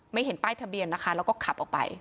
เห็นป้ายทะเบียนนะคะแล้วก็ขับออกไป